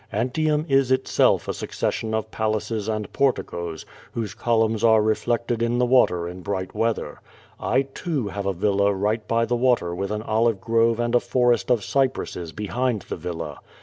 Antium is itself a succession of palaces and porticos, whose columns are reflected in the water in bright weather. I, too, have a villa right by the water with an olive grove and a forest of cypresses behind the villa.